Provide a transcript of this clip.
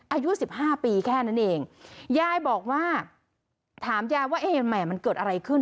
อายุสิบห้าปีแค่นั้นเองยายบอกว่าถามยายว่าเอ๊ะแหม่มันเกิดอะไรขึ้น